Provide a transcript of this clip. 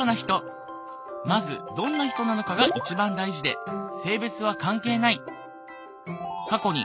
まずどんな人なのかが一番大事で性別は関係ない。